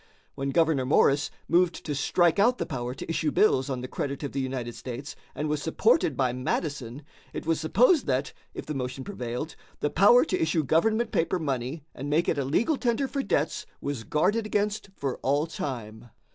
When Gouverneur Morris moved to strike out the power to issue bills on the credit of the United States and was supported by Madison, it was supposed that, if the motion prevailed, the power to issue government paper money and make it a legal tender for debts was guarded against for all time.